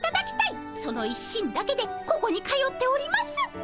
その一心だけでここに通っております。